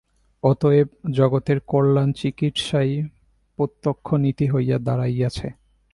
অতএব জগতের কল্যাণচিকীর্ষাই প্রত্যক্ষ নীতি হইয়া দাঁড়াইয়াছে।